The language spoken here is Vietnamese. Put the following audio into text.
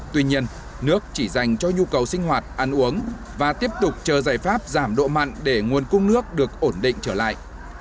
tuy nhiên nước chỉ dành cho nhu cầu sinh hoạt ăn uống và tiếp tục chờ giải pháp giảm độ mặn để nguồn cung nước được ổn định trở lại